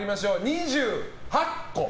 ２８個。